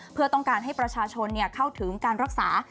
เพื่อต้องการให้ประชาชนเข้าถึงการรักษา